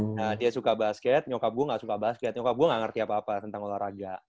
nah dia suka basket nyokap gua gak suka basket nyokap gua gak ngerti apa apa tentang olahraga